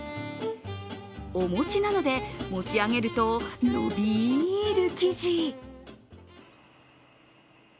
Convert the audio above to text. お餅なので、持ち上げるとのびーる生地。